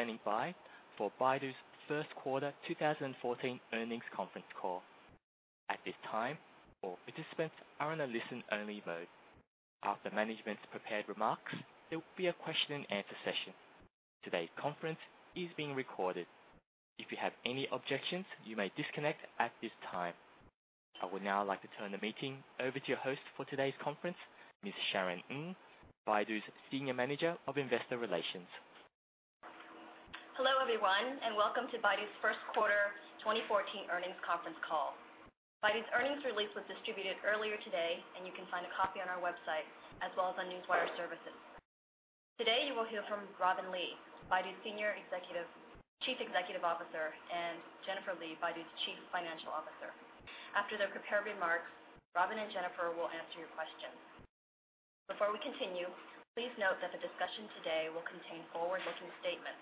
Hello, thank you for standing by for Baidu's first quarter 2014 earnings conference call. At this time, all participants are on a listen-only mode. After management's prepared remarks, there will be a question-and-answer session. Today's conference is being recorded. If you have any objections, you may disconnect at this time. I would now like to turn the meeting over to your host for today's conference, Ms. Sharon Ng, Baidu's Senior Manager of Investor Relations. Hello, everyone, welcome to Baidu's first quarter 2014 earnings conference call. Baidu's earnings release was distributed earlier today, and you can find a copy on our website as well as on Newswire services. Today, you will hear from Robin Li, Baidu's Chief Executive Officer, and Jennifer Li, Baidu's Chief Financial Officer. After their prepared remarks, Robin and Jennifer will answer your questions. Before we continue, please note that the discussion today will contain forward-looking statements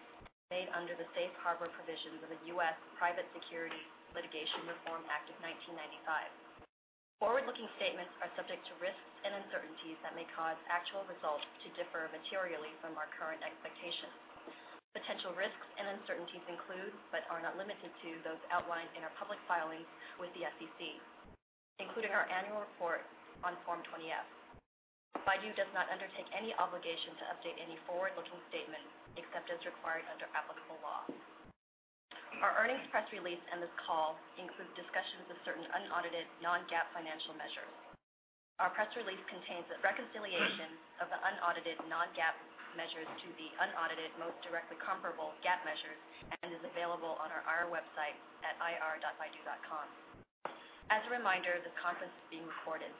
made under the Safe Harbor provisions of the U.S. Private Securities Litigation Reform Act of 1995. Forward-looking statements are subject to risks and uncertainties that may cause actual results to differ materially from our current expectations. Potential risks and uncertainties include, but are not limited to, those outlined in our public filings with the SEC, including our annual report on Form 20-F. Baidu does not undertake any obligation to update any forward-looking statements except as required under applicable law. Our earnings press release and this call includes discussions of certain unaudited non-GAAP financial measures. Our press release contains a reconciliation of the unaudited non-GAAP measures to the unaudited most directly comparable GAAP measures and is available on our IR website at ir.baidu.com. As a reminder, this conference is being recorded.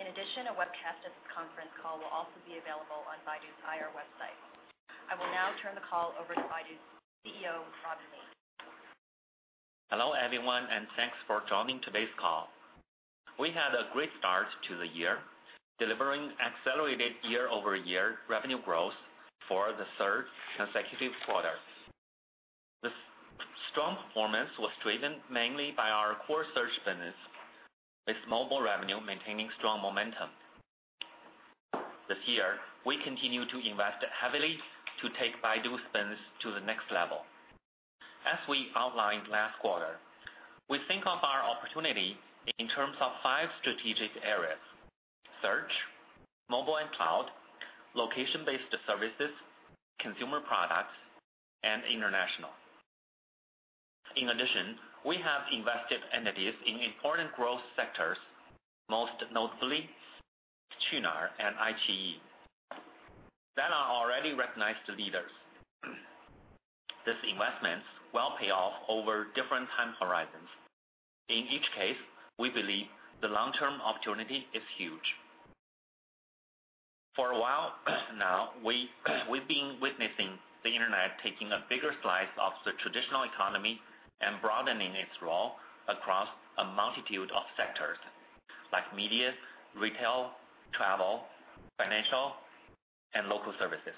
In addition, a webcast of this conference call will also be available on Baidu's IR website. I will now turn the call over to Baidu's CEO, Robin Li. Hello, everyone, thanks for joining today's call. We had a great start to the year, delivering accelerated year-over-year revenue growth for the third consecutive quarter. The strong performance was driven mainly by our core search business, with mobile revenue maintaining strong momentum. This year, we continue to invest heavily to take Baidu's business to the next level. As we outlined last quarter, we think of our opportunity in terms of five strategic areas: search, mobile and cloud, location-based services, consumer products, and international. In addition, we have invested entities in important growth sectors, most notably Qunar and iQIYI, that are already recognized leaders. These investments will pay off over different time horizons. In each case, we believe the long-term opportunity is huge. For a while now, we've been witnessing the Internet taking a bigger slice of the traditional economy and broadening its role across a multitude of sectors, like media, retail, travel, financial, and local services.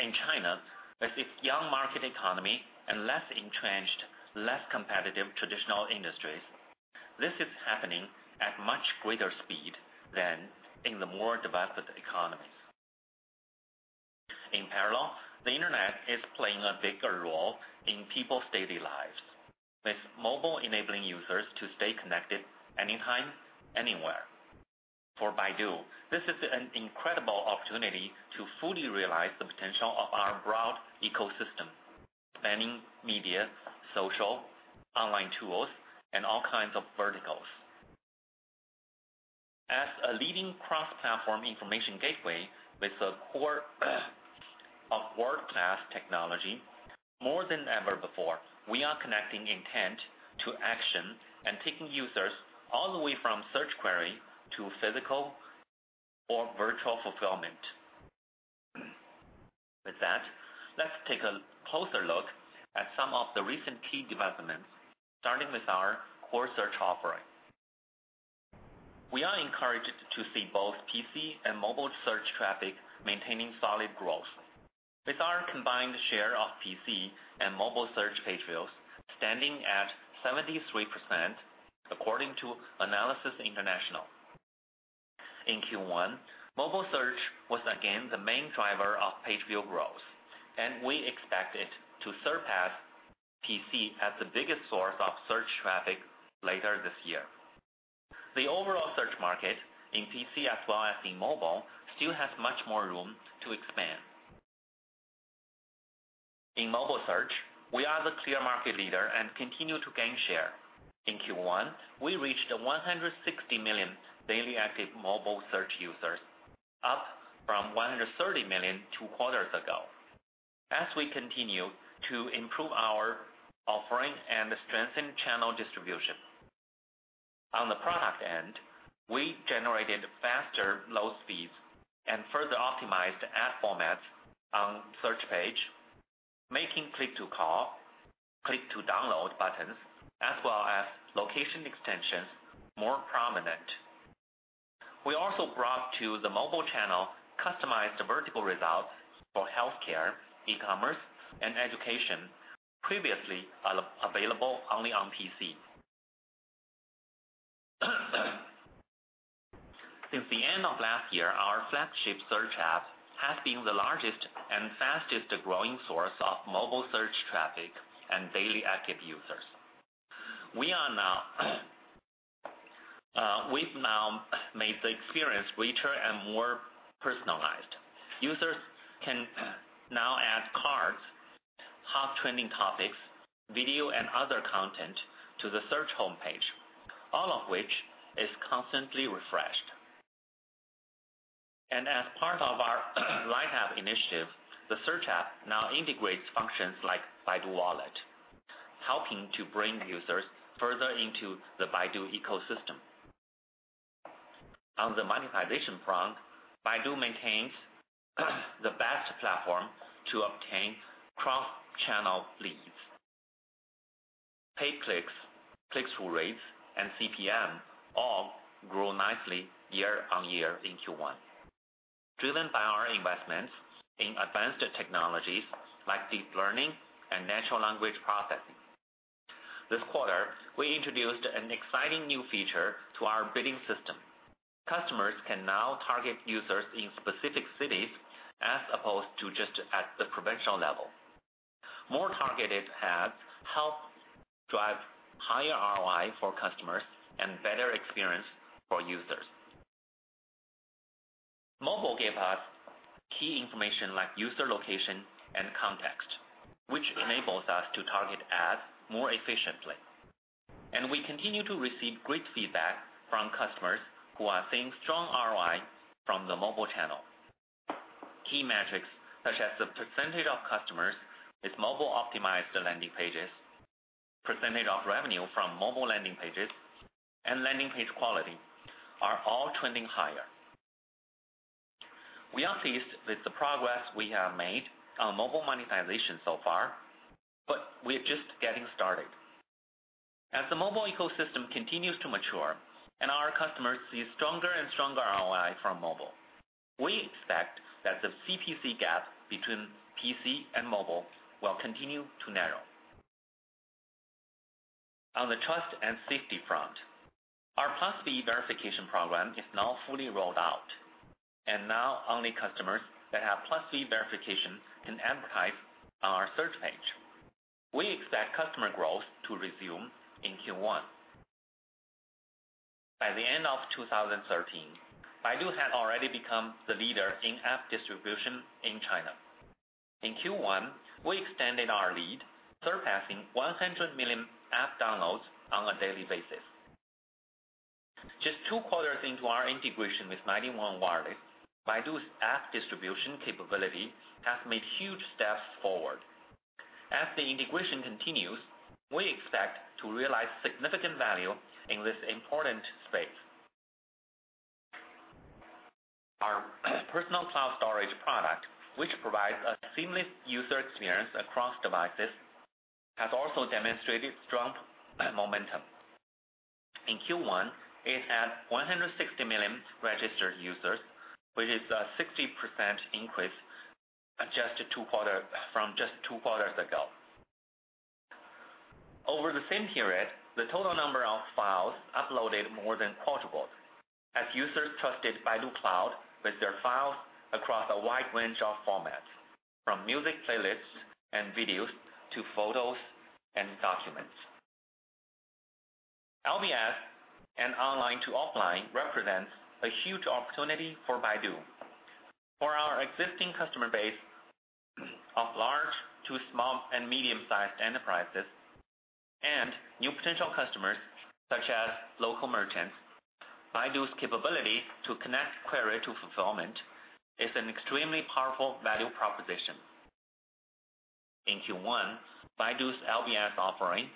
In China, with its young market economy and less entrenched, less competitive traditional industries, this is happening at much greater speed than in the more developed economies. In parallel, the Internet is playing a bigger role in people's daily lives, with mobile enabling users to stay connected anytime, anywhere. For Baidu, this is an incredible opportunity to fully realize the potential of our broad ecosystem, spanning media, social, online tools, and all kinds of verticals. As a leading cross-platform information gateway with a core of world-class technology, more than ever before, we are connecting intent to action and taking users all the way from search query to physical or virtual fulfillment. With that, let's take a closer look at some of the recent key developments, starting with our core search offering. We are encouraged to see both PC and mobile search traffic maintaining solid growth. With our combined share of PC and mobile search page views standing at 73%, according to Analysys International. In Q1, mobile search was again the main driver of page view growth. We expect it to surpass PC as the biggest source of search traffic later this year. The overall search market in PC as well as in mobile still has much more room to expand. In mobile search, we are the clear market leader and continue to gain share. In Q1, we reached 160 million daily active mobile search users, up from 130 million two quarters ago, as we continue to improve our offering and strengthen channel distribution. On the product end, we generated faster load speeds and further optimized ad formats on search page, making click-to-call, click-to-download buttons, as well as location extensions, more prominent. We also brought to the mobile channel customized vertical results for healthcare, e-commerce, and education previously available only on PC. Since the end of last year, our flagship search app has been the largest and fastest-growing source of mobile search traffic and daily active users. We've now made the experience richer and more personalized. Users can now add cards, hot trending topics, video, and other content to the search homepage, all of which is constantly refreshed. As part of our Light App initiative, the search app now integrates functions like Baidu Wallet, helping to bring users further into the Baidu ecosystem. On the monetization front, Baidu maintains the best platform to obtain cross-channel leads. Pay clicks, click-through rates, and CPM all grew nicely year-on-year in Q1, driven by our investments in advanced technologies like deep learning and natural language processing. This quarter, we introduced an exciting new feature to our bidding system. Customers can now target users in specific cities as opposed to just at the provincial level. More targeted ads help drive higher ROI for customers and better experience for users. Mobile gave us key information like user location and context, which enables us to target ads more efficiently. We continue to receive great feedback from customers who are seeing strong ROI from the mobile channel. Key metrics such as the % of customers with mobile-optimized landing pages, % of revenue from mobile landing pages, and landing page quality are all trending higher. We are pleased with the progress we have made on mobile monetization so far, but we are just getting started. As the mobile ecosystem continues to mature and our customers see stronger and stronger ROI from mobile, we expect that the CPC gap between PC and mobile will continue to narrow. On the trust and safety front, our Plus V verification program is now fully rolled out, and now only customers that have Plus V verification can advertise on our search page. We expect customer growth to resume in Q1. By the end of 2013, Baidu had already become the leader in app distribution in China. In Q1, we extended our lead, surpassing 100 million app downloads on a daily basis. Just two quarters into our integration with 91 Wireless, Baidu's app distribution capability has made huge steps forward. As the integration continues, we expect to realize significant value in this important space. Our personal cloud storage product, which provides a seamless user experience across devices, has also demonstrated strong momentum. In Q1, it had 160 million registered users, which is a 60% increase from just two quarters ago. Over the same period, the total number of files uploaded more than quadrupled as users trusted Baidu Cloud with their files across a wide range of formats, from music playlists and videos to photos and documents. LBS and online to offline represents a huge opportunity for Baidu. For our existing customer base of large to small and medium-sized enterprises and new potential customers such as local merchants, Baidu's capability to connect query to fulfillment is an extremely powerful value proposition. In Q1, Baidu's LBS offering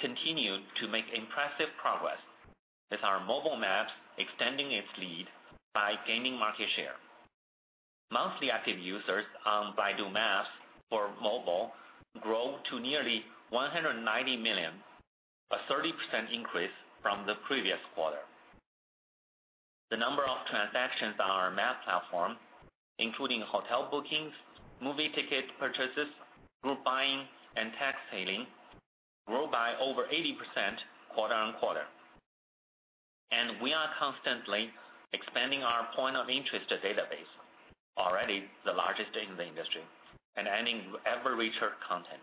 continued to make impressive progress, with our mobile maps extending its lead by gaining market share. Monthly active users on Baidu Maps for mobile grew to nearly 190 million, a 30% increase from the previous quarter. The number of transactions on our map platform, including hotel bookings, movie ticket purchases, group buying, and taxi hailing, grew by over 80% quarter on quarter. We are constantly expanding our point of interest database, already the largest in the industry, and adding ever richer content.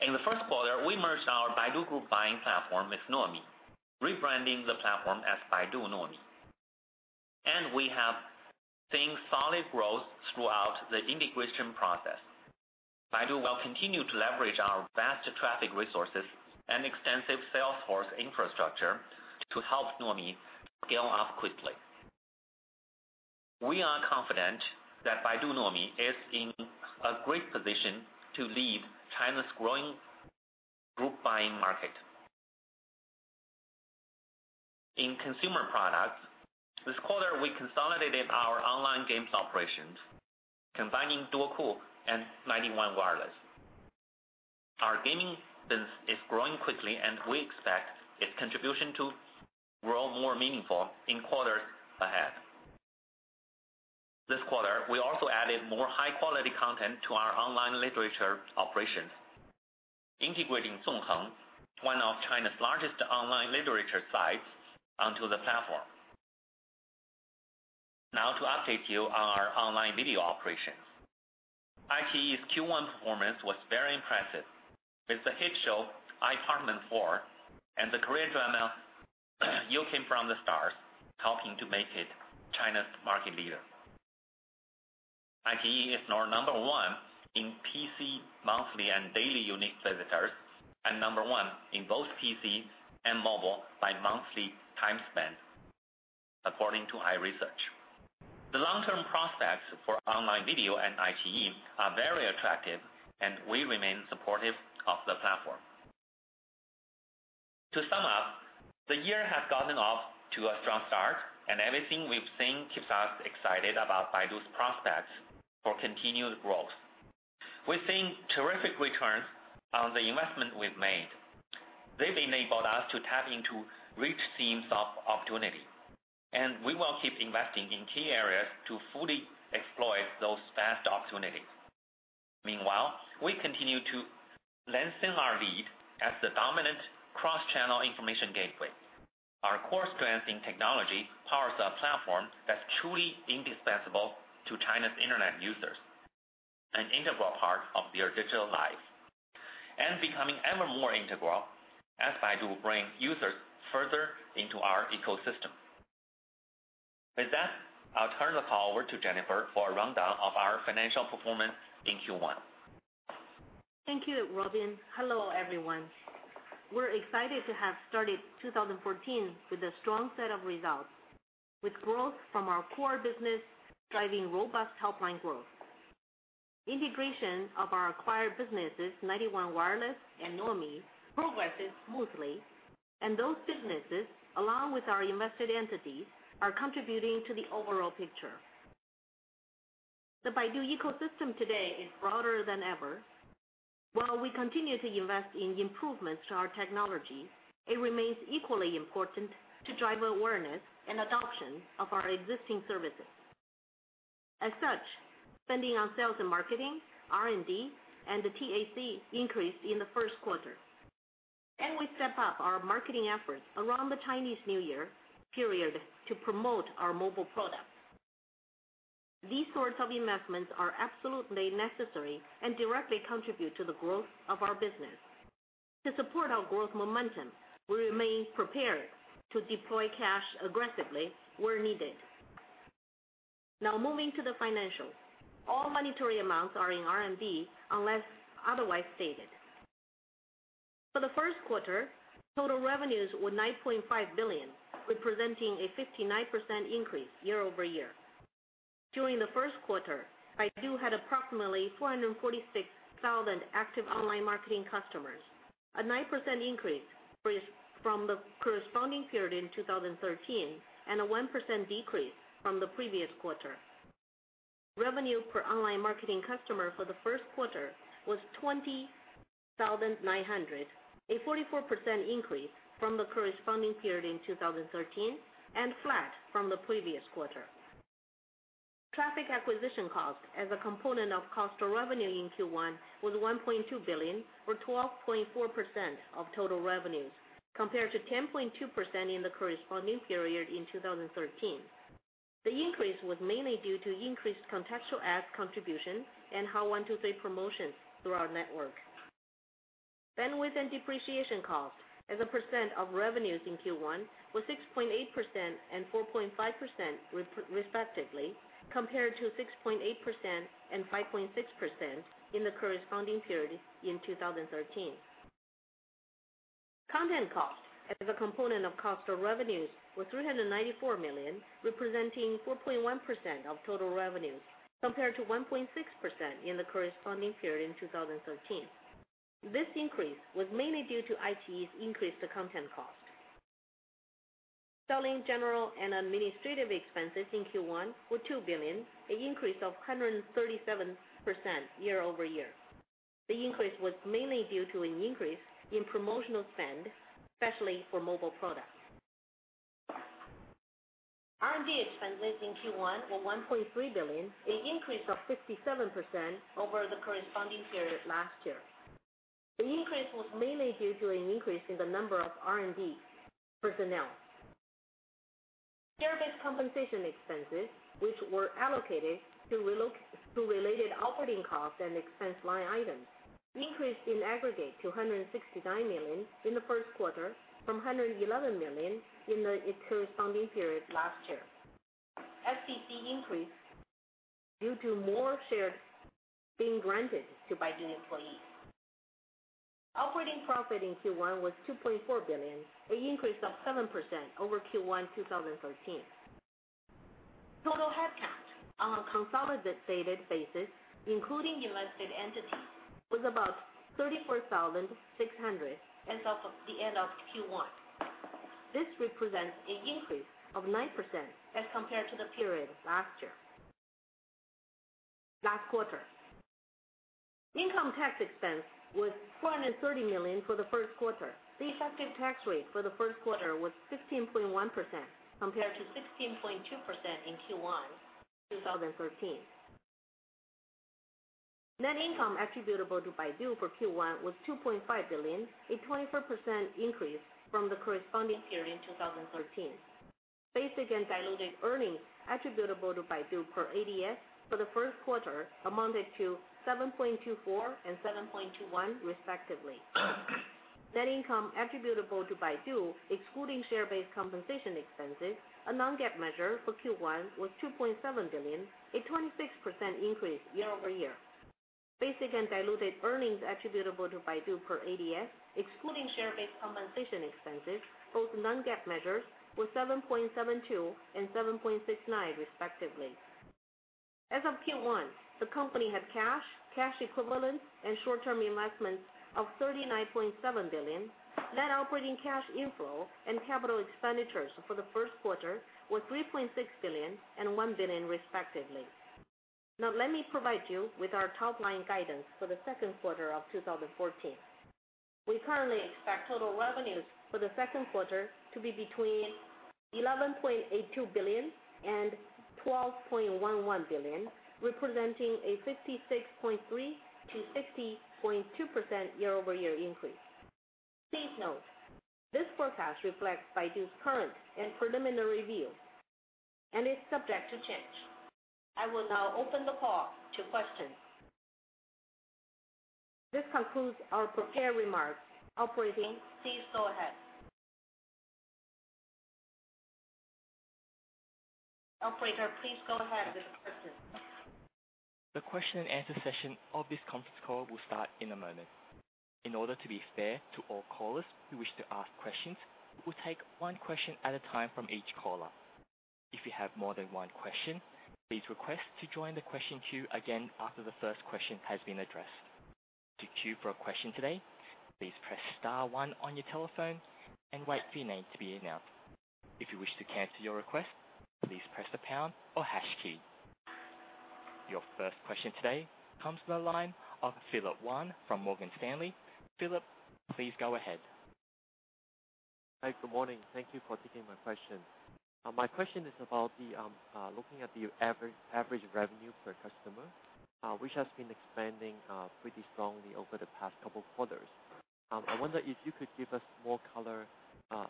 In the first quarter, we merged our Baidu group buying platform with Nuomi, rebranding the platform as Baidu Nuomi. We have seen solid growth throughout the integration process. Baidu will continue to leverage our vast traffic resources and extensive sales force infrastructure to help Nuomi scale up quickly. We are confident that Baidu Nuomi is in a great position to lead China's growing group buying market. In consumer products, this quarter, we consolidated our online games operations, combining Duoku and 91 Wireless. Our gaming business is growing quickly, and we expect its contribution to grow more meaningful in quarters ahead. This quarter, we also added more high-quality content to our online literature operations, integrating Zongheng, one of China's largest online literature sites, onto the platform. Now to update you on our online video operations. iQIYI's Q1 performance was very impressive, with the hit show, "I Promise You" and the Korean drama, "My Love from the Star," helping to make it China's market leader. iQIYI is now number one in PC monthly and daily unique visitors, and number one in both PC and mobile by monthly time spent, according to iResearch. The long-term prospects for online video and iQIYI are very attractive, and we remain supportive of the platform. To sum up, the year has gotten off to a strong start, and everything we've seen keeps us excited about Baidu's prospects for continued growth. We're seeing terrific returns on the investment we've made. They've enabled us to tap into rich seams of opportunity, and we will keep investing in key areas to fully exploit those vast opportunities. Meanwhile, we continue to lengthen our lead as the dominant cross-channel information gateway. Our core strength in technology powers a platform that's truly indispensable to China's internet users, an integral part of their digital life, and becoming ever more integral as Baidu bring users further into our ecosystem. With that, I'll turn the call over to Jennifer for a rundown of our financial performance in Q1. Thank you, Robin. Hello, everyone. We're excited to have started 2014 with a strong set of results, with growth from our core business driving robust top-line growth. Integration of our acquired businesses, 91 Wireless and Nuomi, progresses smoothly, and those businesses, along with our invested entities, are contributing to the overall picture. The Baidu ecosystem today is broader than ever. While we continue to invest in improvements to our technology, it remains equally important to drive awareness and adoption of our existing services. As such, spending on sales and marketing, R&D, and the TAC increased in the first quarter. We step up our marketing efforts around the Chinese New Year period to promote our mobile products. These sorts of investments are absolutely necessary and directly contribute to the growth of our business. To support our growth momentum, we remain prepared to deploy cash aggressively where needed. Now, moving to the financials. All monetary amounts are in RMB unless otherwise stated. For the first quarter, total revenues were 9.5 billion, representing a 59% increase year-over-year. During the first quarter, Baidu had approximately 446,000 active online marketing customers, a 9% increase from the corresponding period in 2013 and a 1% decrease from the previous quarter. Revenue per online marketing customer for the first quarter was 20,900, a 44% increase from the corresponding period in 2013 and flat from the previous quarter. Traffic acquisition cost as a component of cost of revenue in Q1 was 1.2 billion or 12.4% of total revenues, compared to 10.2% in the corresponding period in 2013. The increase was mainly due to increased contextual ads contribution and Hao123 promotions through our network. Bandwidth and depreciation costs as a percent of revenues in Q1 were 6.8% and 4.5%, respectively, compared to 6.8% and 5.6% in the corresponding period in 2013. Content costs as a component of cost of revenues were 394 million, representing 4.1% of total revenues, compared to 1.6% in the corresponding period in 2013. This increase was mainly due to iQIYI's increased content cost. Selling, general, and administrative expenses in Q1 were 2 billion, an increase of 137% year-over-year. The increase was mainly due to an increase in promotional spend, especially for mobile products. R&D expenses in Q1 were 1.3 billion, an increase of 57% over the corresponding period last year. The increase was mainly due to an increase in the number of R&D personnel. Share-based compensation expenses, which were allocated to related operating costs and expense line items, increased in aggregate to 169 million in the first quarter from 111 million in the corresponding period last year. SBC increased due to more shares being granted to Baidu employees. Operating profit in Q1 was 2.4 billion, an increase of 7% over Q1 2013. Total headcount on a consolidated basis, including invested entities, was about 34,600 as of the end of Q1. This represents an increase of 9% as compared to the period last quarter. Income tax expense was 130 million for the first quarter. The effective tax rate for the first quarter was 16.1% compared to 16.2% in Q1 2013. Net income attributable to Baidu for Q1 was 2.5 billion, a 24% increase from the corresponding period in 2013. Basic and diluted earnings attributable to Baidu per ADS for the first quarter amounted to 7.24 and 7.21 respectively. Net income attributable to Baidu, excluding share-based compensation expenses, a non-GAAP measure for Q1, was 2.7 billion, a 26% increase year-over-year. Basic and diluted earnings attributable to Baidu per ADS, excluding share-based compensation expenses, both non-GAAP measures, were 7.72 and 7.69 respectively. As of Q1, the company had cash equivalents, and short-term investments of 39.7 billion. Net operating cash inflow and capital expenditures for the first quarter were 3.6 billion and 1 billion respectively. Now let me provide you with our top-line guidance for the second quarter of 2014. We currently expect total revenues for the second quarter to be between 11.82 billion and 12.11 billion, representing a 56.3%-60.2% year-over-year increase. Please note, this forecast reflects Baidu's current and preliminary view and is subject to change. I will now open the call to questions. This concludes our prepared remarks. Operator, please go ahead. Operator, please go ahead with the questions. The question and answer session of this conference call will start in a moment. In order to be fair to all callers who wish to ask questions, we will take one question at a time from each caller. If you have more than one question, please request to join the question queue again after the first question has been addressed. To queue for a question today, please press star one on your telephone and wait for your name to be announced. If you wish to cancel your request, please press the pound or hash key. Your first question today comes from the line of Philip Wan from Morgan Stanley. Philip, please go ahead. Hi, good morning. Thank you for taking my question. My question is looking at the average revenue per customer, which has been expanding pretty strongly over the past couple of quarters. I wonder if you could give us more color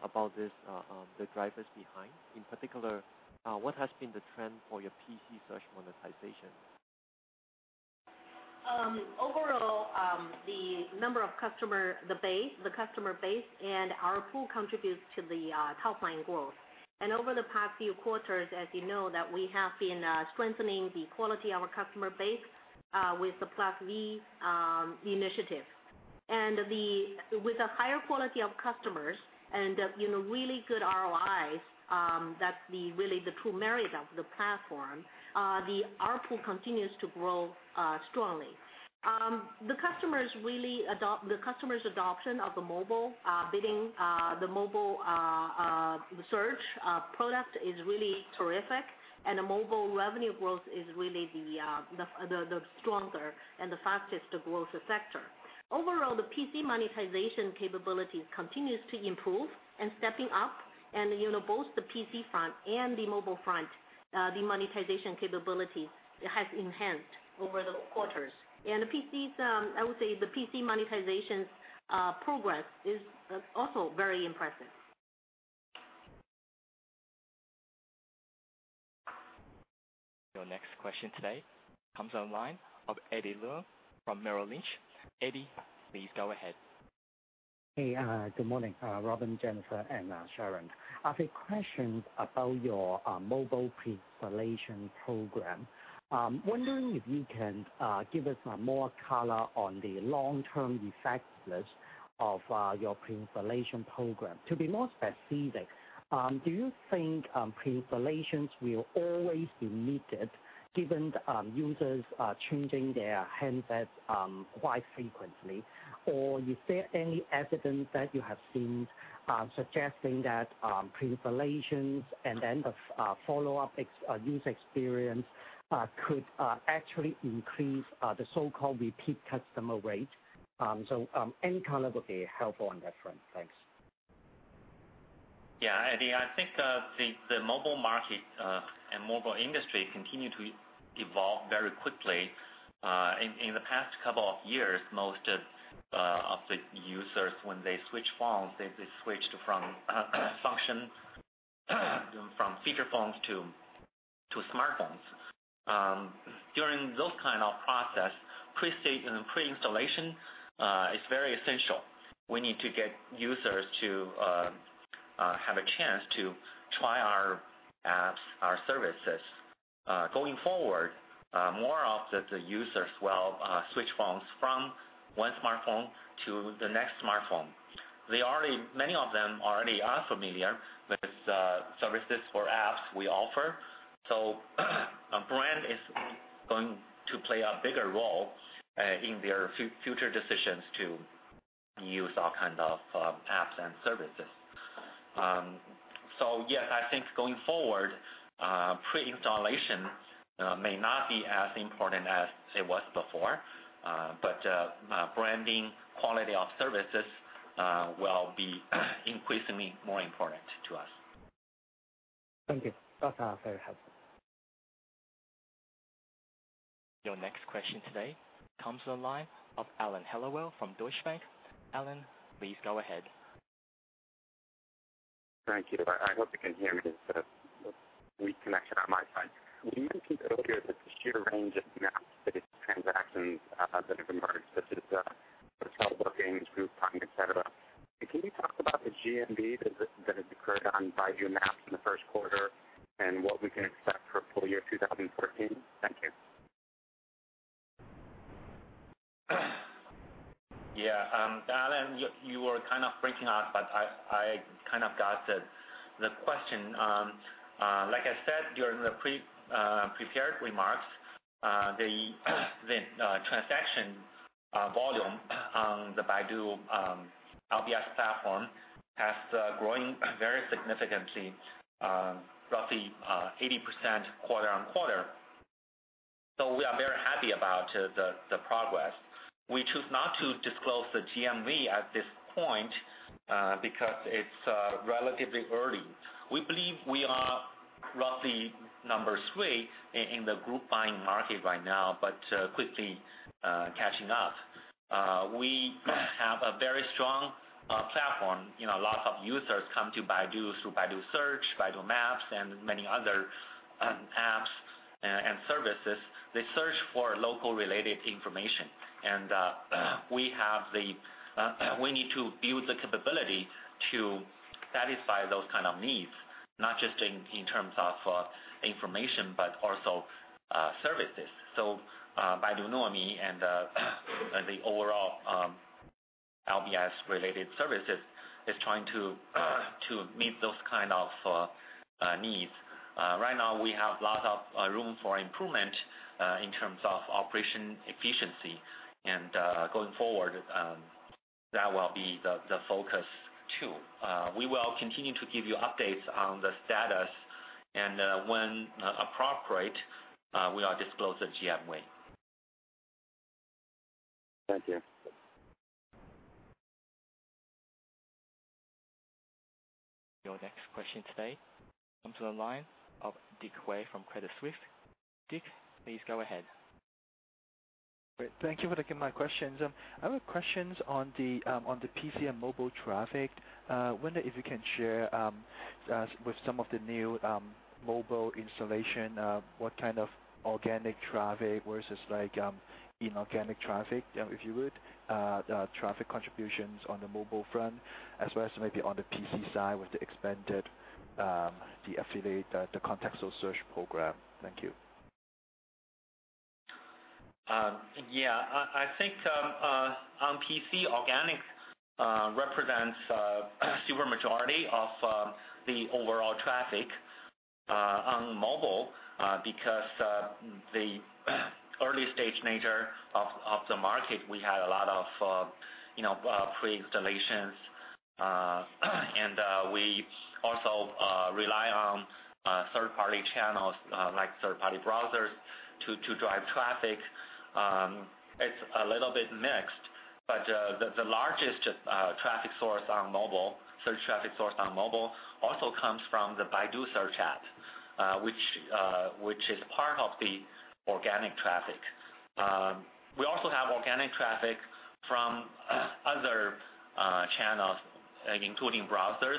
about the drivers behind. In particular, what has been the trend for your PC search monetization? Overall, the number of the customer base and our pool contributes to the top-line growth. Over the past few quarters, as you know that we have been strengthening the quality of our customer base with the Plus V initiative. With a higher quality of customers and really good ROIs, that's really the true merit of the platform, our pool continues to grow strongly. The customers' adoption of the mobile bidding, the mobile search product is really terrific, and the mobile revenue growth is really the stronger and the fastest growth sector. Overall, the PC monetization capabilities continues to improve and stepping up and both the PC front and the mobile front, the monetization capability has enhanced over the quarters. I would say the PC monetization progress is also very impressive. Your next question today comes on the line of Eddie Leung from Merrill Lynch. Eddie, please go ahead. Hey, good morning, Robin, Jennifer, and Sharon. I have a question about your mobile pre-installation program. I'm wondering if you can give us more color on the long-term effectiveness of your pre-installation program. To be more specific, do you think pre-installations will always be needed given users are changing their handsets quite frequently? Is there any evidence that you have seen suggesting that pre-installations and then the follow-up user experience could actually increase the so-called repeat customer rate? Any color would be helpful on that front. Thanks. Eddie, I think the mobile market and mobile industry continue to evolve very quickly. In the past couple of years, most of the users when they switch phones, they switched from function, from feature phones to smartphones. During those kind of process, pre-installation is very essential. We need to get users to have a chance to try our apps, our services. Going forward, more of the users will switch phones from one smartphone to the next smartphone. Many of them already are familiar with services or apps we offer, a brand is going to play a bigger role in their future decisions to Use all kind of apps and services. Yes, I think going forward, pre-installation may not be as important as it was before, but branding, quality of services will be increasingly more important to us. Thank you. That's very helpful. Your next question today comes on the line of Alan Hellawell from Deutsche Bank. Alan, please go ahead. Thank you. I hope you can hear me. There's a weak connection on my side. You mentioned earlier that the sheer range of maps-based transactions that have emerged, such as for travel bookings, group buying, et cetera. Can you talk about the GMV that has occurred on Baidu Maps in the first quarter, and what we can expect for full year 2014? Thank you. Yeah. Alan, you were kind of breaking up, but I kind of got the question. Like I said, during the prepared remarks, the transaction volume on the Baidu LBS platform has growing very significantly, roughly 80% quarter-over-quarter. We are very happy about the progress. We choose not to disclose the GMV at this point because it's relatively early. We believe we are roughly number 3 in the group buying market right now, but quickly catching up. We have a very strong platform. Lots of users come to Baidu through Baidu Search, Baidu Maps, and many other apps and services. They search for local related information. We need to build the capability to satisfy those kind of needs, not just in terms of information, but also services. Baidu Nuomi and the overall LBS related services is trying to meet those kind of needs. Right now, we have lots of room for improvement in terms of operation efficiency. Going forward, that will be the focus, too. We will continue to give you updates on the status, and when appropriate, we are disclose the GMV. Thank you. Your next question today comes on the line of Dick Wei from Credit Suisse. Dick, please go ahead. Great. Thank you for taking my questions. I have questions on the PC and mobile traffic. Wonder if you can share with some of the new mobile installation what kind of organic traffic versus inorganic traffic, if you would, traffic contributions on the mobile front as well as maybe on the PC side with the expanded the affiliate, the contextual search program. Thank you. Yeah. I think on PC, organic represents a super majority of the overall traffic on mobile because the early stage nature of the market, we had a lot of pre-installations. We also rely on third-party channels like third-party browsers to drive traffic. It's a little bit mixed, the largest traffic source on mobile, search traffic source on mobile, also comes from the Baidu search app which is part of the organic traffic. We also have organic traffic from other channels including browsers.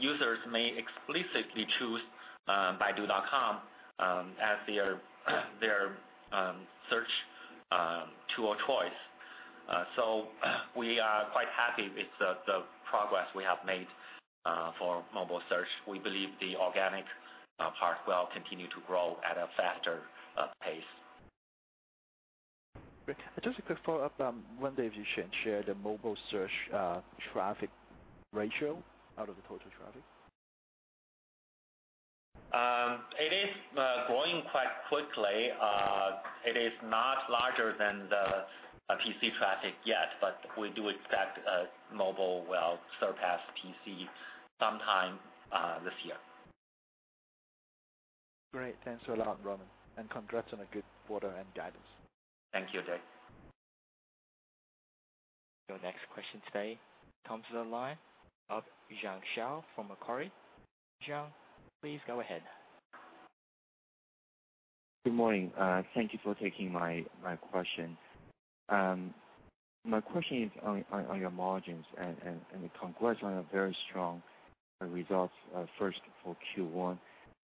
Users may explicitly choose baidu.com as their search tool choice. We are quite happy with the progress we have made for mobile search. We believe the organic part will continue to grow at a faster pace. Great. Just a quick follow-up. Wonder if you can share the mobile search traffic ratio out of the total traffic? It is growing quite quickly. It is not larger than the PC traffic yet, but we do expect mobile will surpass PC sometime this year. Great. Thanks a lot, Robin, and congrats on a good quarter and guidance. Thank you, Dick. Your next question today comes on the line of Jiong Shao from Macquarie. Jiong, please go ahead. Good morning. Thank you for taking my question. My question is on your margins, and congrats on a very strong results, first for Q1.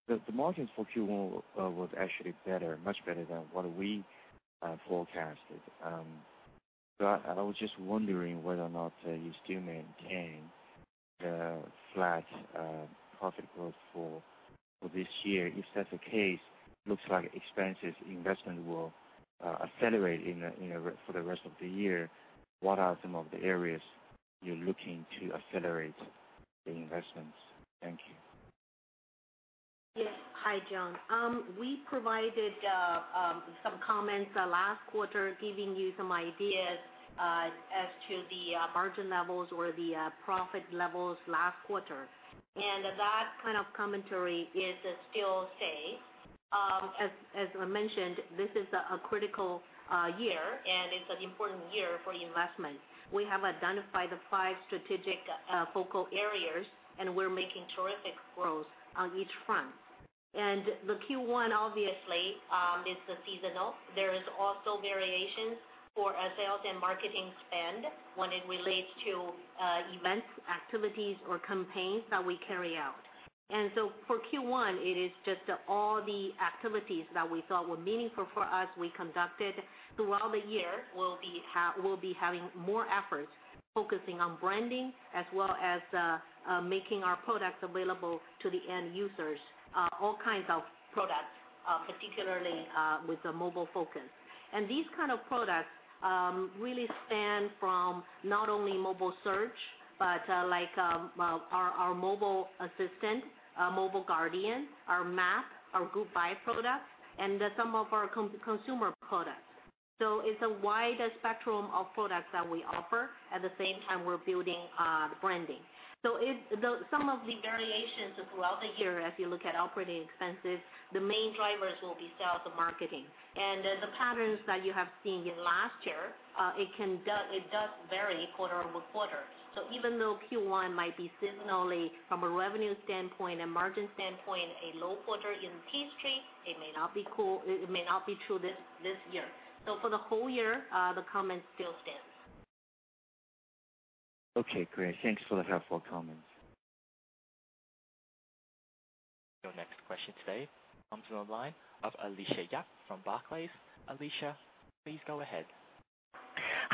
The margins for Q1 was actually better, much better than what we forecasted. I was just wondering whether or not you still maintain the flat profit growth for this year. If that's the case, looks like expenses investment will accelerate for the rest of the year. What are some of the areas you're looking to accelerate the investments? Thank you. Yes. Hi, Jiong. We provided some comments last quarter giving you some ideas as to the margin levels or the profit levels last quarter. That kind of commentary is still safe. As I mentioned, this is a critical year, and it's an important year for investment. We have identified the five strategic focal areas, and we're making terrific growth on each front. The Q1 obviously is seasonal. There is also variation for sales and marketing spend when it relates to events, activities, or campaigns that we carry out. For Q1, it is just all the activities that we thought were meaningful for us, we conducted. Throughout the year, we'll be having more efforts focusing on branding as well as making our products available to the end users, all kinds of products, particularly with a mobile focus. These kind of products really span from not only mobile search, but like our Mobile Assistant, Mobile Guardian, our Maps, our Group Buy products, and some of our consumer products. It's a wide spectrum of products that we offer. At the same time, we're building the branding. Some of the variations throughout the year as you look at operating expenses, the main drivers will be sales and marketing. The patterns that you have seen in last year, it does vary quarter-over-quarter. Even though Q1 might be seasonally, from a revenue standpoint and margin standpoint, a low quarter in history, it may not be true this year. For the whole year, the comment still stands. Okay, great. Thanks for the helpful comments. Your next question today comes on the line of Alicia Yap from Barclays. Alicia, please go ahead.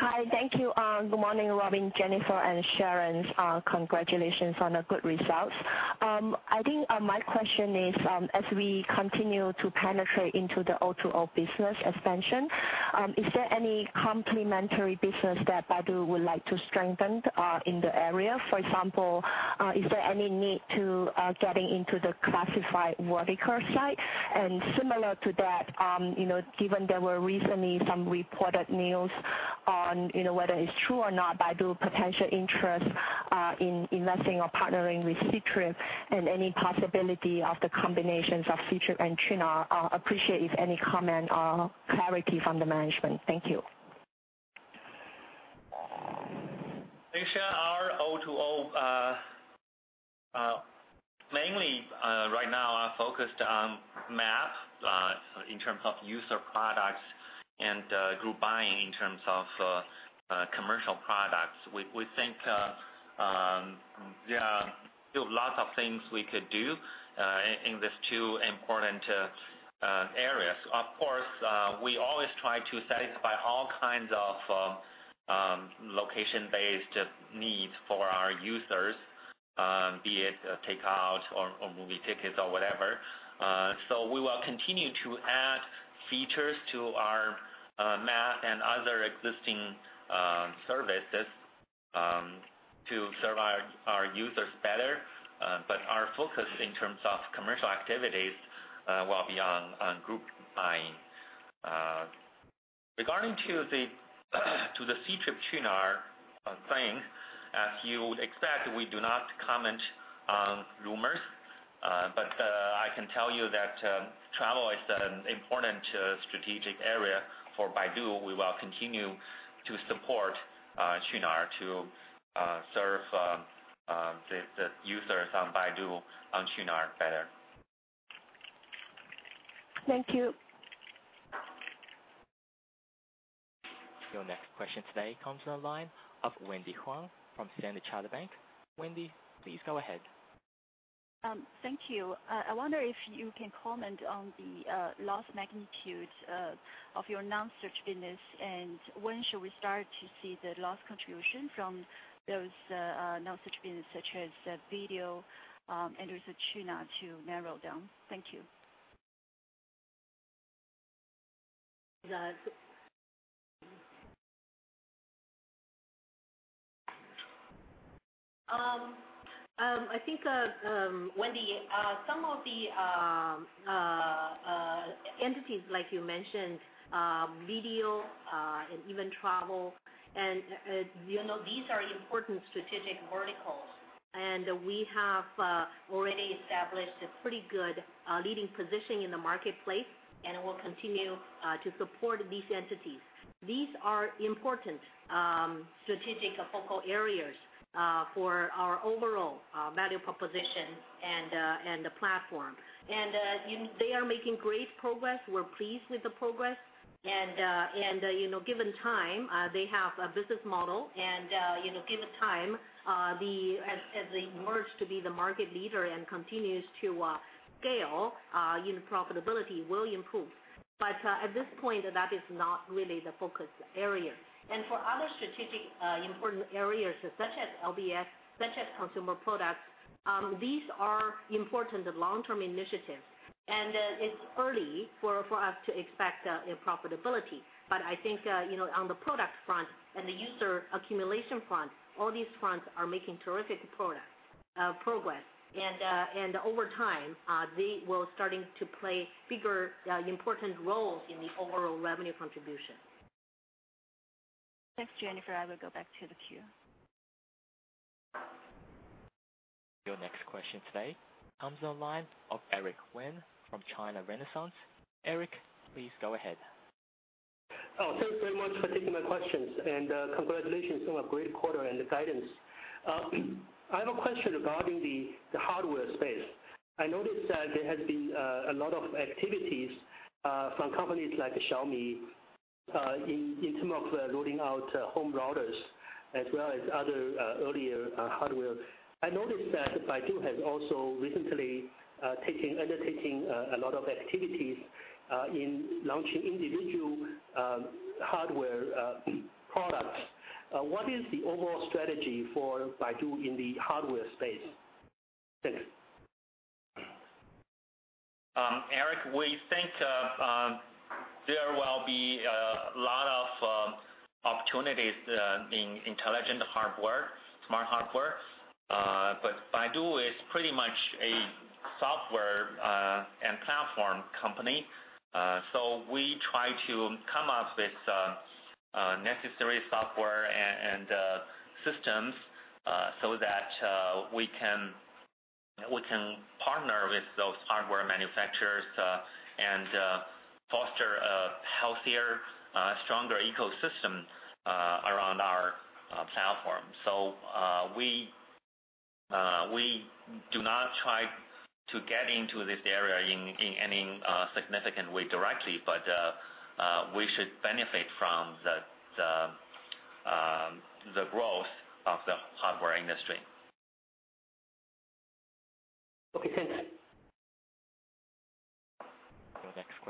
Hi. Thank you. Good morning, Robin, Jennifer, and Sharon. Congratulations on the good results. I think my question is, as we continue to penetrate into the O2O business expansion, is there any complementary business that Baidu would like to strengthen in the area? For example, is there any need to get into the classified worker site? Similar to that, given there were recently some reported news on, whether it's true or not, Baidu potential interest in investing or partnering with Ctrip, any possibility of the combinations of Ctrip and Qunar. Appreciate if any comment or clarity from the management. Thank you. Alicia, our O2O mainly right now are focused on Map, in terms of user products, and Group Buying, in terms of commercial products. We think there are still lots of things we could do in these two important areas. Of course, we always try to satisfy all kinds of location-based needs for our users, be it takeout or movie tickets or whatever. We will continue to add features to our Map and other existing services to serve our users better. Our focus in terms of commercial activities will be on Group Buying. Regarding to the Ctrip-Qunar thing, as you would expect, we do not comment on rumors. I can tell you that travel is an important strategic area for Baidu. We will continue to support Qunar to serve the users on Baidu, on Qunar better. Thank you. Your next question today comes on the line of Wendy Huang from Standard Chartered Bank. Wendy, please go ahead. Thank you. I wonder if you can comment on the loss magnitude of your non-search business, and when should we start to see the loss contribution from those non-search business, such as video and Qunar to narrow down? Thank you. I think, Wendy, some of the entities like you mentioned, video and even travel, these are important strategic verticals. We have already established a pretty good leading position in the marketplace, and we'll continue to support these entities. These are important strategic focal areas for our overall value proposition and platform. They are making great progress. We're pleased with the progress. Given time, they have a business model, and given time, as they emerge to be the market leader and continue to scale, profitability will improve. At this point, that is not really the focus area. For other strategic important areas such as LBS, such as consumer products, these are important long-term initiatives. It's early for us to expect profitability. I think on the product front and the user accumulation front, all these fronts are making terrific progress. Over time, they will start to play bigger, important roles in the overall revenue contribution. Thanks, Jennifer. I will go back to the queue. Your next question today comes on the line of Eric Wen from China Renaissance. Eric, please go ahead. Oh, thank you very much for taking my questions, congratulations on a great quarter and the guidance. I have a question regarding the hardware space. I noticed that there has been a lot of activities from companies like Xiaomi in terms of rolling out home routers as well as other earlier hardware. I noticed that Baidu has also recently undertaking a lot of activities in launching individual hardware products. What is the overall strategy for Baidu in the hardware space? Thank you. Eric, we think there will be a lot of opportunities in intelligent hardware, smart hardware. Baidu is pretty much a software and platform company. We try to come up with necessary software and systems so that we can partner with those hardware manufacturers to foster a healthier, stronger ecosystem around our platform. We do not try to get into this area in any significant way directly, but we should benefit from the growth of the hardware industry. Okay, thank you.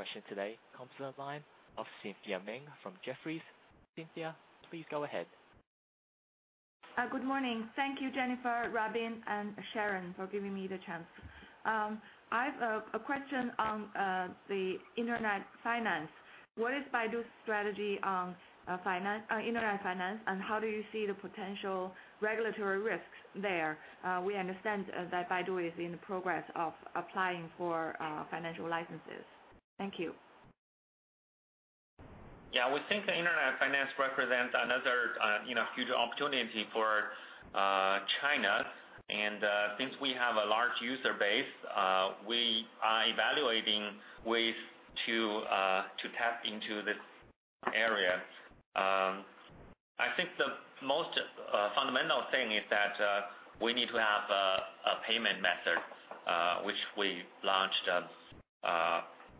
Your next question today comes on the line of Cynthia Meng from Jefferies. Cynthia, please go ahead. Good morning. Thank you, Jennifer, Robin, and Sharon for giving me the chance. I have a question on the internet finance. What is Baidu's strategy on internet finance, and how do you see the potential regulatory risks there? We understand that Baidu is in the progress of applying for financial licenses. Thank you. Yeah, we think the internet finance represents another huge opportunity for China. Since we have a large user base, we are evaluating ways to tap into this area. I think the most fundamental thing is that we need to have a payment method, which we launched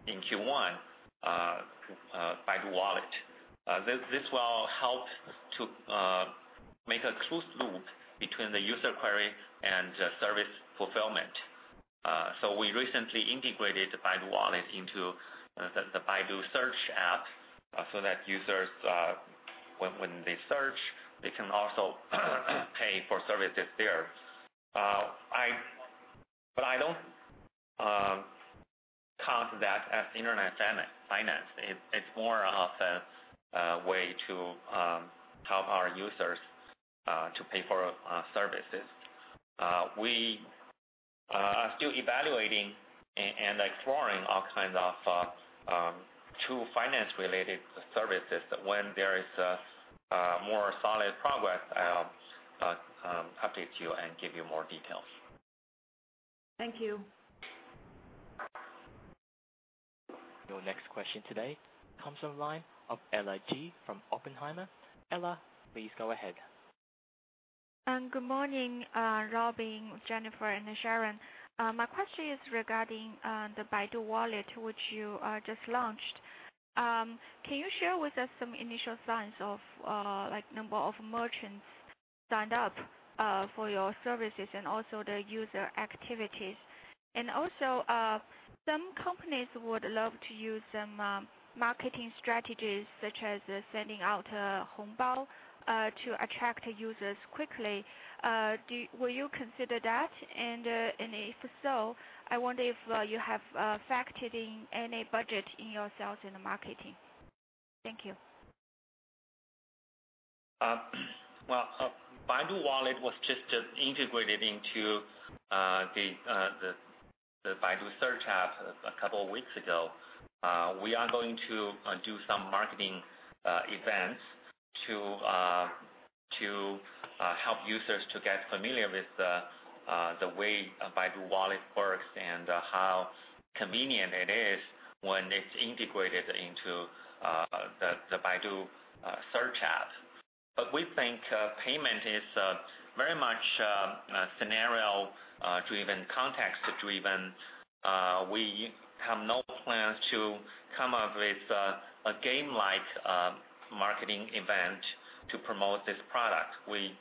in Q1, Baidu Wallet. This will help to make a closed loop between the user query and service fulfillment. We recently integrated Baidu Wallet into the Baidu Search app so that users, when they search, they can also pay for services there. I don't count that as internet finance. It's more of a way to help our users to pay for services. We are still evaluating and exploring all kinds of true finance-related services. When there is more solid progress, I'll update you and give you more details. Thank you. Your next question today comes on the line of Ella Ji from Oppenheimer. Ella, please go ahead. Good morning, Robin, Jennifer, and Sharon. My question is regarding the Baidu Wallet, which you just launched. Can you share with us some initial signs of the number of merchants signed up for your services and also the user activities? Also, some companies would love to use some marketing strategies, such as sending out a hongbao to attract users quickly. Will you consider that? If so, I wonder if you have factored in any budget in your sales and marketing. Thank you. Well, Baidu Wallet was just integrated into the Baidu Search app a couple of weeks ago. We are going to do some marketing events to help users to get familiar with the way Baidu Wallet works and how convenient it is when it's integrated into the Baidu Search app. We think payment is very much scenario-driven, context-driven. We have no plans to come up with a game-like marketing event to promote this product. We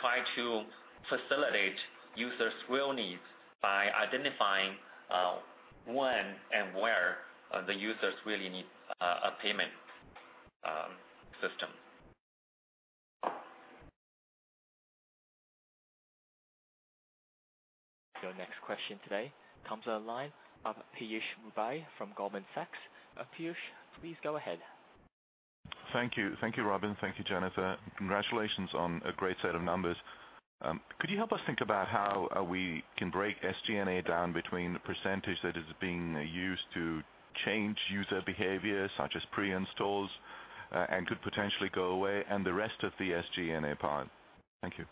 try to facilitate users' real needs by identifying when and where the users really need a payment system. Your next question today comes on the line, Piyush Mubayi from Goldman Sachs. Piyush, please go ahead. Thank you, Robin. Thank you, Jennifer. Congratulations on a great set of numbers. Could you help us think about how we can break SG&A down between the percentage that is being used to change user behavior, such as pre-installs, and could potentially go away, and the rest of the SG&A part? Thank you.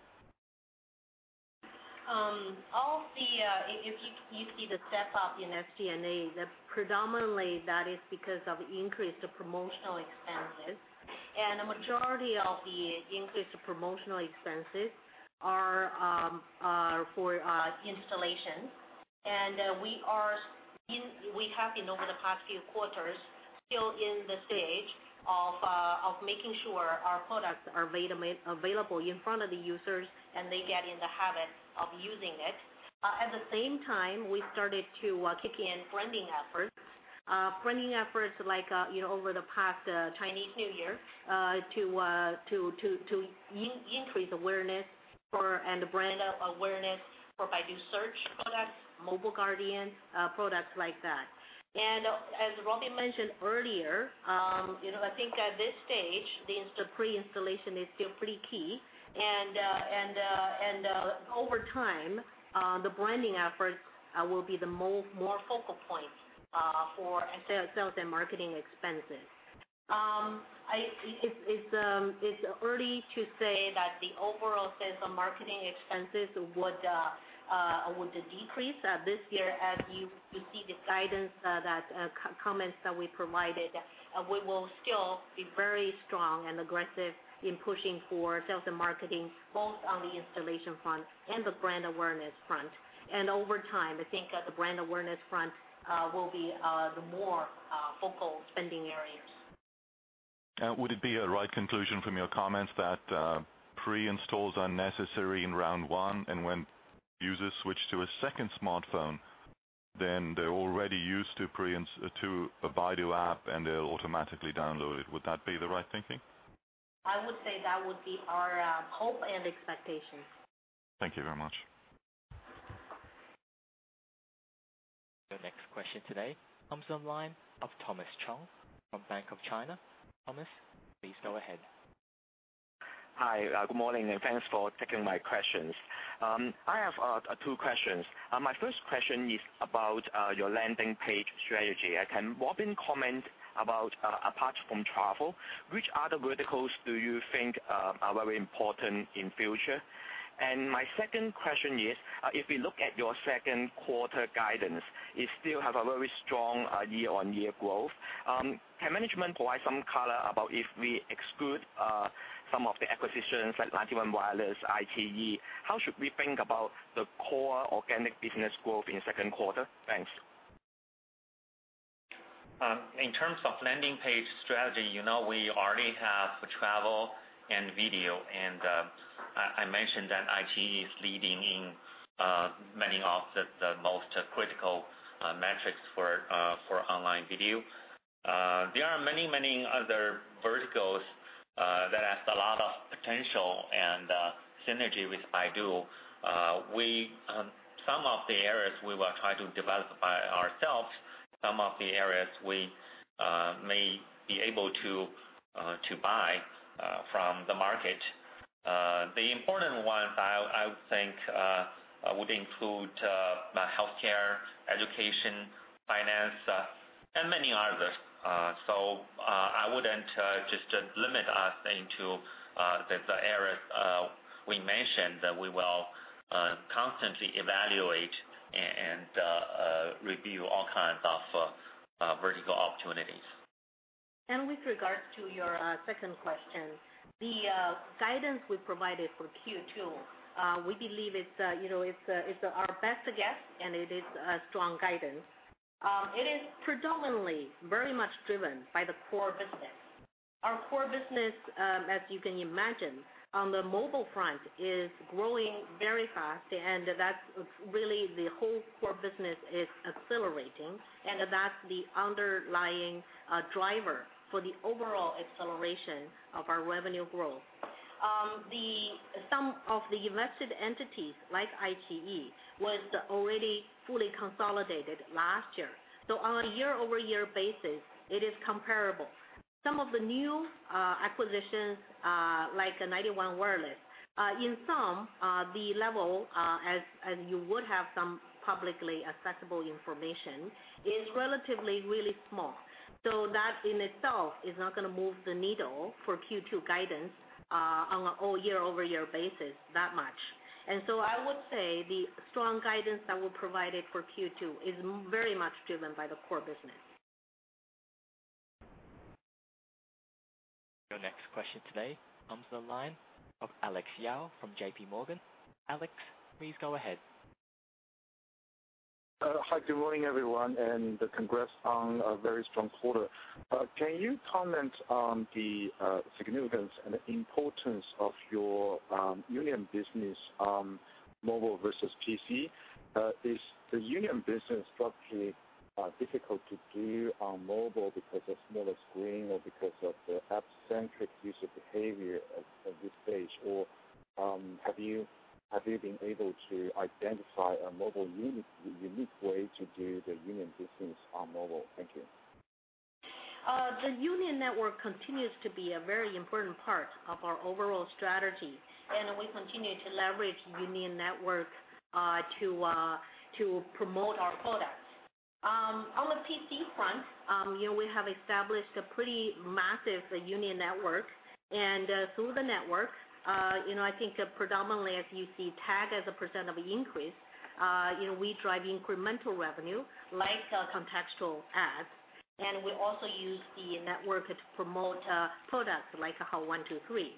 If you see the step up in SG&A, predominantly that is because of increased promotional expenses. A majority of the increased promotional expenses are for installation. We have been, over the past few quarters, still in the stage of making sure our products are available in front of the users, and they get in the habit of using it. At the same time, we started to kick in branding efforts. Branding efforts like over the past Chinese New Year, to increase awareness and brand awareness for Baidu Search products, Mobile Guardian, products like that. As Robin mentioned earlier, I think at this stage, the pre-installation is still pretty key. Over time, the branding efforts will be the more focal point for sales and marketing expenses. It's early to say that the overall sales and marketing expenses would decrease this year. As you see the guidance, the comments that we provided, we will still be very strong and aggressive in pushing for sales and marketing, both on the installation front and the brand awareness front. Over time, I think that the brand awareness front will be the more focal spending areas. Would it be a right conclusion from your comments that pre-installs are necessary in round 1, and when users switch to a second smartphone, then they're already used to a Baidu app, and they'll automatically download it. Would that be the right thinking? I would say that would be our hope and expectation. Thank you very much. The next question today comes on the line of Thomas Chung from Bank of China. Thomas, please go ahead. Hi, good morning. Thanks for taking my questions. I have two questions. My first question is about your landing page strategy. Can Robin comment about, apart from travel, which other verticals do you think are very important in future? My second question is, if we look at your second quarter guidance, it still has a very strong year-on-year growth. Can management provide some color about if we exclude some of the acquisitions like 91 Wireless, iQIYI? How should we think about the core organic business growth in the second quarter? Thanks. In terms of landing page strategy, we already have travel and video, and I mentioned that iQIYI is leading in many of the most critical metrics for online video. There are many other verticals that have a lot of potential and synergy with Baidu. Some of the areas we will try to develop by ourselves, some of the areas we may be able to buy from the market. The important ones, I would think, would include healthcare, education, finance, and many others. I wouldn't just limit us into the areas we mentioned, that we will constantly evaluate and review all kinds of vertical opportunities. With regards to your second question, the guidance we provided for Q2, we believe it's our best guess, and it is a strong guidance. It is predominantly very much driven by the core business. Our core business, as you can imagine, on the mobile front, is growing very fast, and that's really the whole core business is accelerating. That's the underlying driver for the overall acceleration of our revenue growth. Some of the invested entities, like iQIYI, was already fully consolidated last year. On a year-over-year basis, it is comparable. Some of the new acquisitions, like 91 Wireless, in sum, the level, as you would have some publicly accessible information, is relatively really small. That in itself is not going to move the needle for Q2 guidance on a year-over-year basis that much. I would say the strong guidance that we provided for Q2 is very much driven by the core business. Your next question today comes on the line of Alex Yao from J.P. Morgan. Alex, please go ahead. Hi, good morning, everyone, congrats on a very strong quarter. Can you comment on the significance and importance of your union business on mobile versus PC? Is the union business structurally difficult to do on mobile because of smaller screen or because of the app-centric user behavior at this stage? Have you been able to identify a mobile unique way to do the union business on mobile? Thank you. The union network continues to be a very important part of our overall strategy. We continue to leverage union network to promote our products. On the PC front, we have established a pretty massive union network, through the network, I think predominantly as you see TAC as a % of increase, we drive incremental revenue like contextual ads. We also use the network to promote products like Hao123.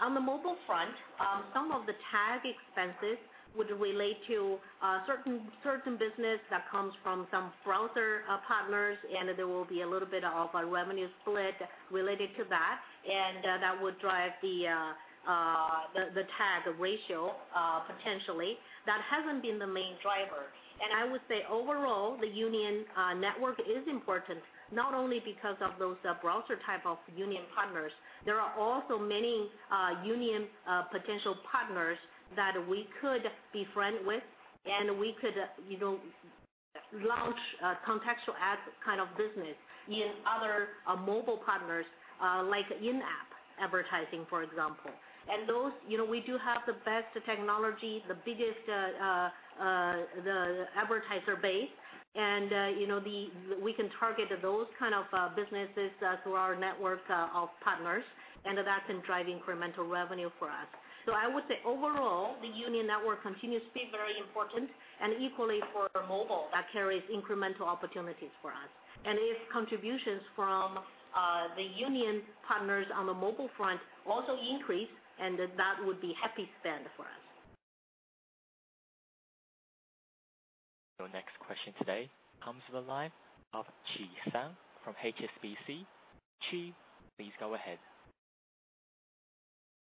On the mobile front, some of the TAC expenses would relate to certain business that comes from some browser partners, there will be a little bit of a revenue split related to that. That would drive the TAC ratio, potentially. That hasn't been the main driver. I would say overall, the union network is important not only because of those browser type of union partners. There are also many union potential partners that we could be friend with. We could launch a contextual ad kind of business in other mobile partners, like in-app advertising, for example. We do have the best technology, the biggest advertiser base. We can target those kind of businesses through our network of partners, that's been driving incremental revenue for us. I would say overall, the union network continues to be very important, equally for mobile, that carries incremental opportunities for us. If contributions from the union partners on the mobile front also increase, that would be happy spend for us. Your next question today comes to the line of Chi Tsang from HSBC. Chi, please go ahead.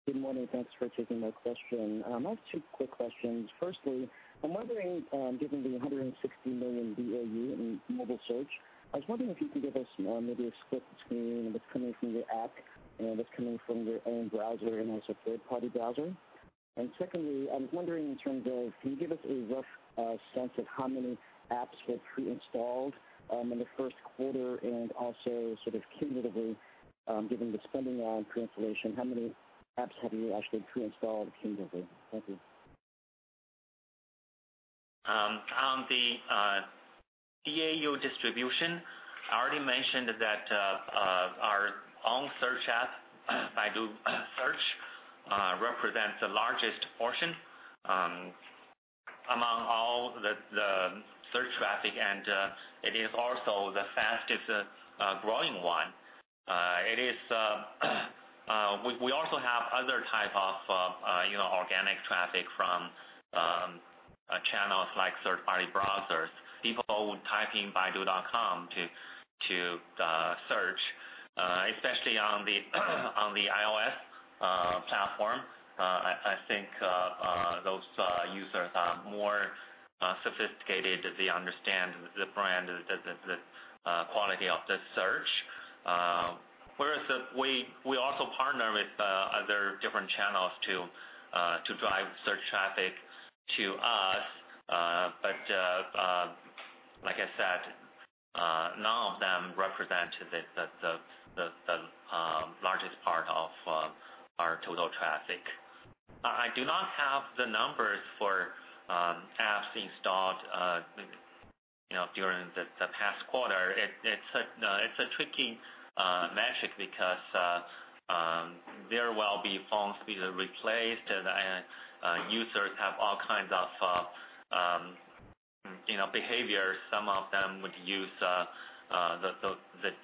Good morning. Thanks for taking my question. I have two quick questions. Firstly, I'm wondering, given the 160 million DAU in mobile search, I was wondering if you could give us maybe a split between what's coming from your app and what's coming from your own browser and also third-party browser. Secondly, I was wondering in terms of, can you give us a rough sense of how many apps get pre-installed in the first quarter and also sort of cumulatively, given the spending on pre-installation, how many apps have you actually pre-installed cumulatively? Thank you. On the DAU distribution, I already mentioned that our own search app, Baidu Search, represents the largest portion among all the search traffic, and it is also the fastest growing one. We also have other type of organic traffic from channels like third-party browsers. People would type in baidu.com to search, especially on the iOS platform. I think those users are more sophisticated as they understand the brand, the quality of the search. Whereas we also partner with other different channels to drive search traffic to us. Like I said none of them represent the largest part of our total traffic. I do not have the numbers for apps installed during the past quarter. It's a tricky metric because there will be phones being replaced, and users have all kinds of behaviors. Some of them would use the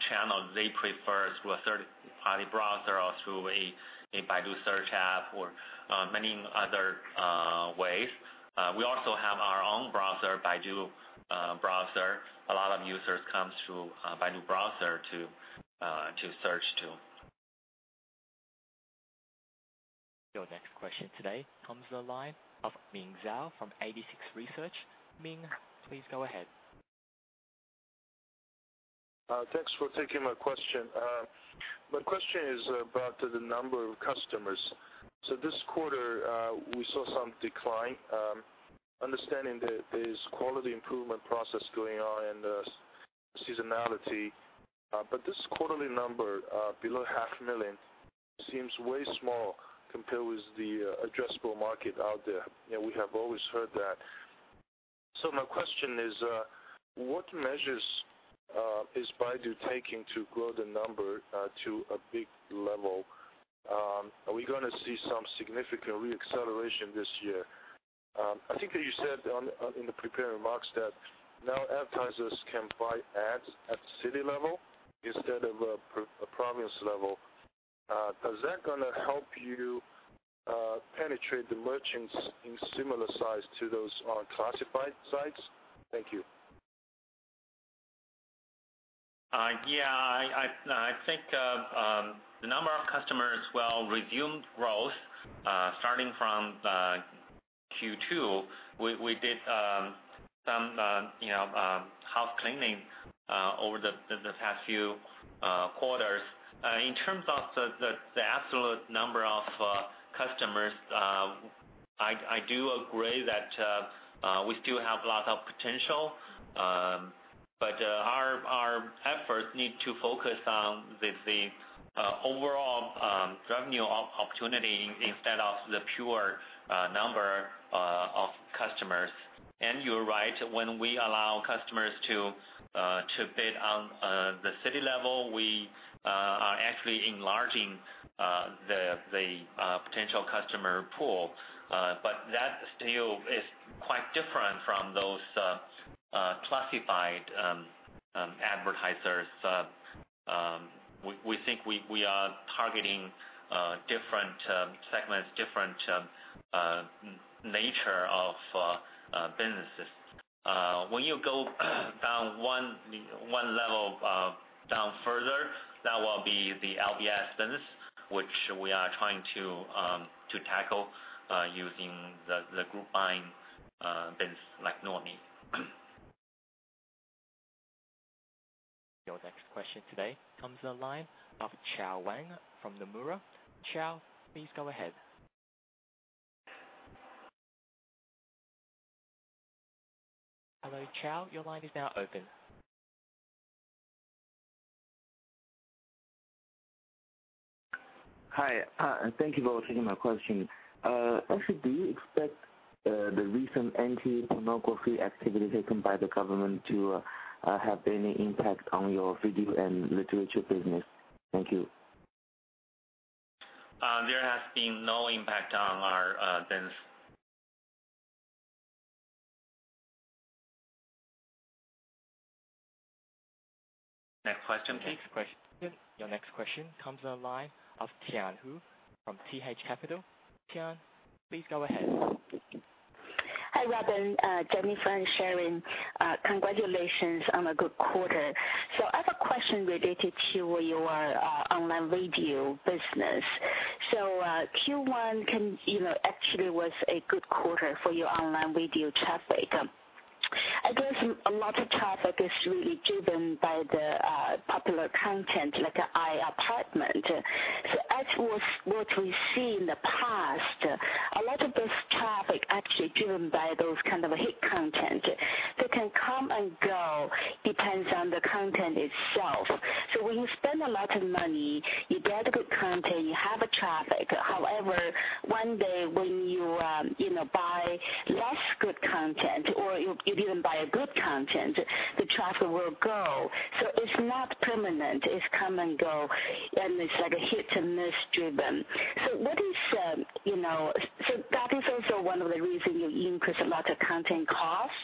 channel they prefer through a third-party browser or through a Baidu search app or many other ways. We also have our own browser, Baidu Browser. A lot of users come through Baidu Browser to search, too. Your next question today comes to the line of Ming Zhao from 86Research. Ming, please go ahead. Thanks for taking my question. My question is about the number of customers. This quarter, we saw some decline. Understanding there is quality improvement process going on and seasonality, but this quarterly number below 500,000 seems way small compared with the addressable market out there. We have always heard that. My question is, what measures is Baidu taking to grow the number to a big level? Are we going to see some significant reacceleration this year? I think that you said in the prepared remarks that now advertisers can buy ADS at city level instead of a province level. Is that going to help you penetrate the merchants in similar size to those on classified sites? Thank you. Yeah. I think the number of customers will resume growth starting from Q2, we did some house cleaning over the past few quarters. In terms of the absolute number of customers, I do agree that we still have a lot of potential. Our efforts need to focus on the overall revenue opportunity instead of the pure number of customers. You're right, when we allow customers to bid on the city level, we are actually enlarging the potential customer pool. That still is quite different from those classified advertisers. We think we are targeting different segments, different nature of businesses. When you go down one level down further, that will be the LBS business, which we are trying to tackle using the group buying business like Nuomi. Your next question today comes on the line of Chao Wang from Nomura. Chao, please go ahead. Hello, Chao, your line is now open. Hi, thank you for taking my question. Actually, do you expect the recent anti-pornography activity taken by the government to have any impact on your video and literature business? Thank you. There has been no impact on our business. Next question, please. Your next question comes on the line of Tian Hou from TH Capital. Tian, please go ahead. Hi, Robin, Jennifer, and Sharon. Congratulations on a good quarter. I have a question related to your online video business. Q1 actually was a good quarter for your online video traffic. I guess a lot of traffic is really driven by the popular content like "iPartment." As what we see in the past, a lot of this traffic actually driven by those kind of hit content that can come and go, depends on the content itself. When you spend a lot of money, you get good content, you have traffic. However, one day when you buy less good content or you did not buy a good content, the traffic will go. It is not permanent. It is come and go, and it is like hit and miss driven. That is also one of the reasons you increase a lot of content costs.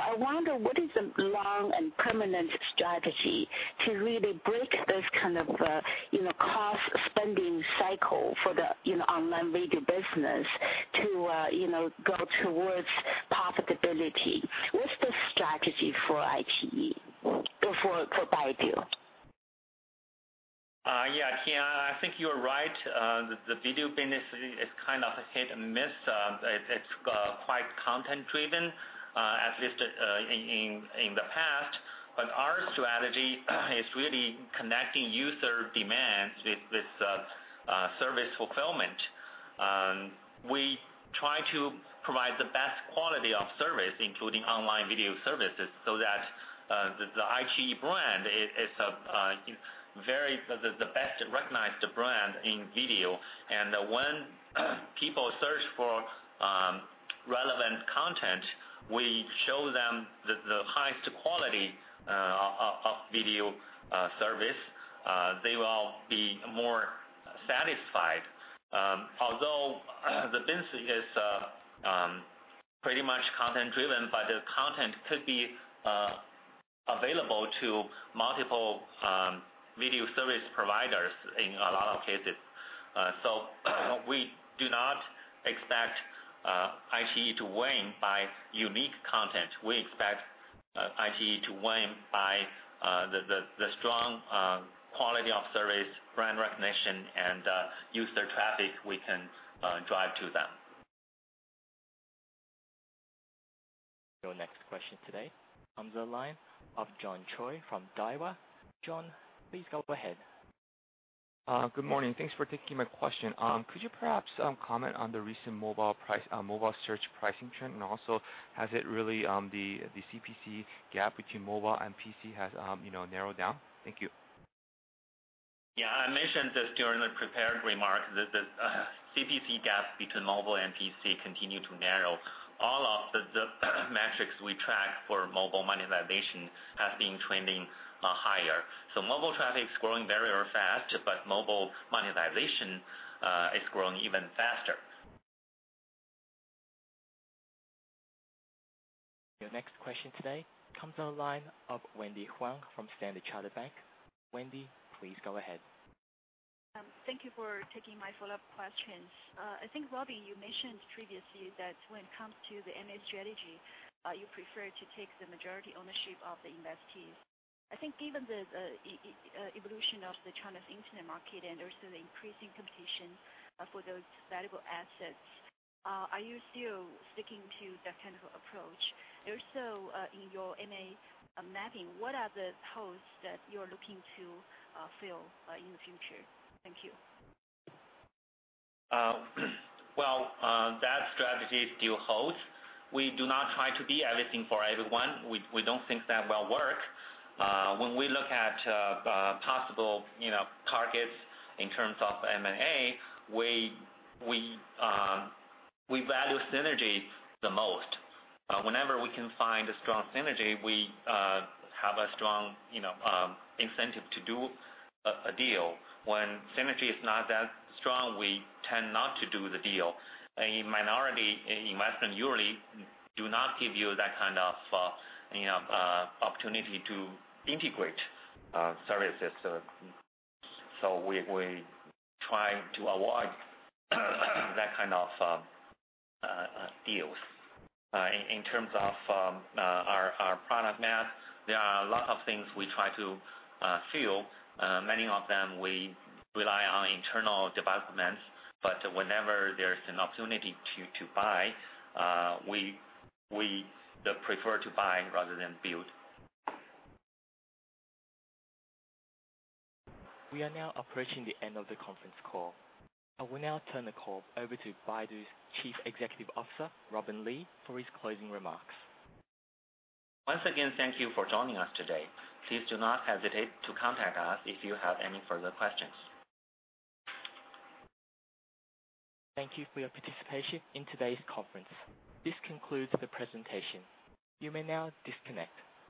I wonder, what is the long and permanent strategy to really break this kind of cost-spending cycle for the online video business to go towards profitability? What is the strategy for Baidu? Yeah, Tian, I think you're right. The video business is kind of a hit-and-miss. It's quite content driven, at least in the past. Our strategy is really connecting user demands with service fulfillment. We try to provide the best quality of service, including online video services, so that the iQIYI brand is the best-recognized brand in video. When people search for relevant content, we show them the highest quality of video service. They will be more satisfied. Although the business is pretty much content driven, the content could be available to multiple video service providers in a lot of cases. We do not expect iQIYI to win by unique content. We expect iQIYI to win by the strong quality of service, brand recognition, and user traffic we can drive to them. Your next question today comes on the line of John Choi from Daiwa. John, please go ahead. Good morning. Thanks for taking my question. Could you perhaps comment on the recent mobile search pricing trend, and also, has the CPC gap between mobile and PC narrowed down? Thank you. Yeah. I mentioned this during the prepared remarks. The CPC gap between mobile and PC continue to narrow. All of the metrics we track for mobile monetization have been trending higher. Mobile traffic is growing very fast, mobile monetization is growing even faster. Your next question today comes on the line of Wendy Huang from Standard Chartered Bank. Wendy, please go ahead. Thank you for taking my follow-up questions. I think, Robin, you mentioned previously that when it comes to the M&A strategy, you prefer to take the majority ownership of the investees. I think given the evolution of China's internet market and also the increasing competition for those valuable assets, are you still sticking to that kind of approach? In your M&A mapping, what are the holes that you're looking to fill in the future? Thank you. Well, that strategy still holds. We do not try to be everything for everyone. We don't think that will work. When we look at possible targets in terms of M&A, we value synergy the most. Whenever we can find a strong synergy, we have a strong incentive to do a deal. When synergy is not that strong, we tend not to do the deal. A minority investment usually does not give you that kind of opportunity to integrate services. We try to avoid that kind of deals. In terms of our product map, there are a lot of things we try to fill. Many of them we rely on internal developments, whenever there's an opportunity to buy, we prefer to buy rather than build. We are now approaching the end of the conference call. I will now turn the call over to Baidu's Chief Executive Officer, Robin Li, for his closing remarks. Once again, thank you for joining us today. Please do not hesitate to contact us if you have any further questions. Thank you for your participation in today's conference. This concludes the presentation. You may now disconnect.